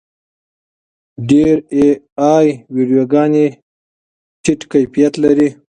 ډېرې اې ای ویډیوګانې ټیټ کیفیت لري.